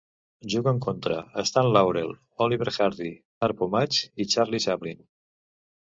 Juguen contra Stan Laurel, Oliver Hardy, Harpo Marx, i Charlie Chaplin.